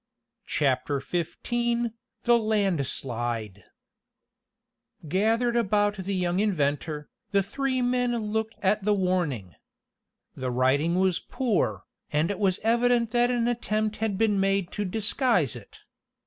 CHAPTER XV THE LANDSLIDE Gathered about the young inventor, the three men looked at the warning. The writing was poor, and it was evident that an attempt had been made to disguise it.